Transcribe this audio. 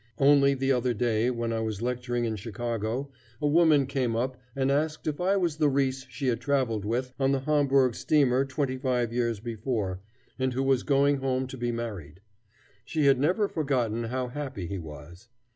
Only the other day, when I was lecturing in Chicago, a woman came up and asked if I was the Riis she had travelled with on a Hamburg steamer twenty five years before, and who was going home to be married. She had never forgotten how happy he was.